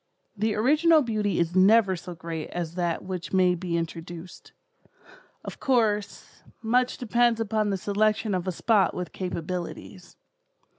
The original beauty is never so great as that which may be introduced. Of course, much depends upon the selection of a spot with capabilities.